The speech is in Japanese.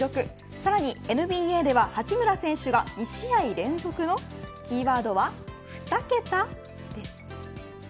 さらにＮＢＡでは八村選手が２試合連続のキーワードは２桁です。